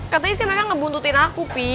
katanya sih mereka ngebuntutin aku pi